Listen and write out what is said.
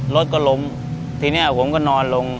รถก็ล้มทีนี้ผมก็นอนลง